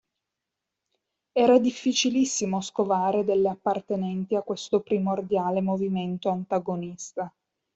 Era difficilissimo scovare delle appartenenti a questo primordiale movimento antagonista.